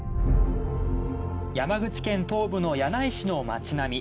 山口県東部の柳井市の町並み。